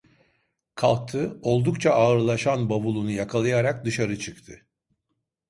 Kalktı, oldukça ağırlaşan bavulunu yakalayarak dışarı çıktı.